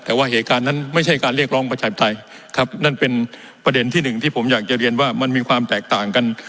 แต่ว่าเหตุการณ์นั้นไม่ใช่การเรียกร้องประชาธิปไตยครับนั่นเป็นประเด็นที่หนึ่งที่ผมอยากจะเรียนว่ามันมีความแตกต่างกัน